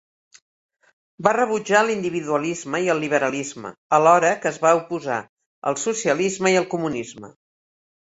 Va rebutjar l'individualisme i el liberalisme, alhora que es va oposar al socialisme i al comunisme.